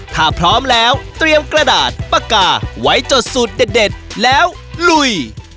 ถ้าพร้อมแล้วเตรียมกระดาษปากกาไว้จดสูตรเด็ดแล้วลุย